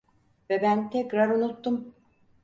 Ve ben tekrar unuttum.